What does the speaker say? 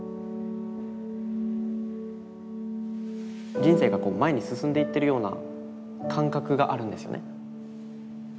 人生が前に進んでいってるような感覚があるんですよね。